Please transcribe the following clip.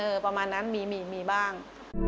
เออประมาณนั้นมีบ้าง